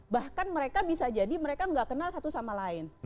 bahkan mereka bisa jadi mereka nggak kenal satu sama lain